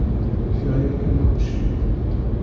Kfiɣ yakan učči.